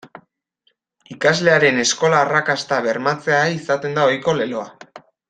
Ikaslearen eskola-arrakasta bermatzea izaten da ohiko leloa.